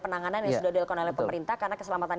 penanganan yang sudah dilakukan oleh pemerintah karena keselamatan